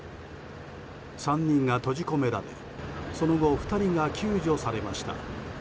３人が閉じ込められその後、２人が救助されました。